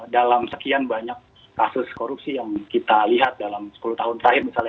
dalam sekian banyak kasus korupsi yang kita lihat dalam sepuluh tahun terakhir misalnya